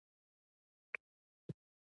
ټول عمر یې مور ته خدمت کړی.